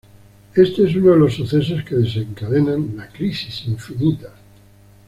Este es uno de los sucesos que desencadenan la "Crisis Infinita".